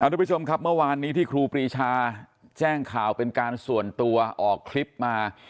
ทุกผู้ชมครับเมื่อวานนี้ที่ครูปรีชาแจ้งข่าวเป็นการส่วนตัวออกคลิปมา